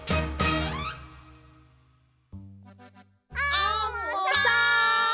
アンモさん！